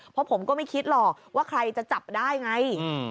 เพราะผมก็ไม่คิดหรอกว่าใครจะจับได้ไง